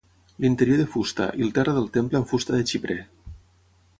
L'interior de fusta, i el terra del temple amb fusta de xiprer.